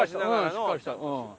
しっかりした。